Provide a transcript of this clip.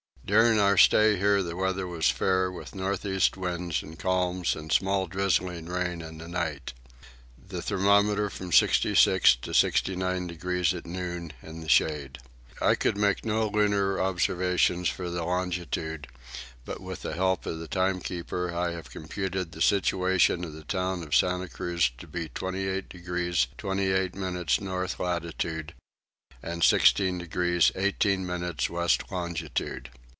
During our stay here the weather was fair with north east winds and calms and small drizzling rain in the night. The thermometer from 66 to 69 degrees at noon in the shade. I could make no lunar observations for the longitude, but by the help of the timekeeper I have computed the situation of the town of Santa Cruz to be 28 degrees 28 minutes north latitude and 16 degrees 18 minutes west longitude.